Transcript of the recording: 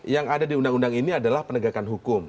yang ada di undang undang ini adalah penegakan hukum